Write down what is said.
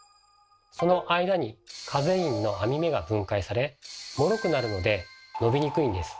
その間にカゼインの網目が分解されもろくなるので伸びにくいんです。